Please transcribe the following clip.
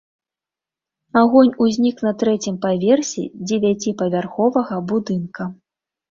Агонь узнік на трэцім паверсе дзевяціпавярховага будынка.